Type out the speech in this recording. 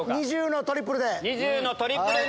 ２０のトリプルで。